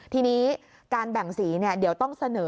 ทีนี้การแบ่งสีเดี๋ยวต้องเสนอ